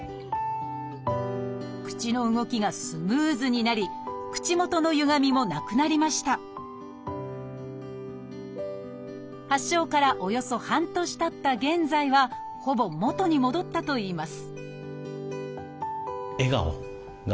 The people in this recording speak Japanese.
口の動きがスムーズになり口元のゆがみもなくなりました発症からおよそ半年たった現在はほぼ元に戻ったといいます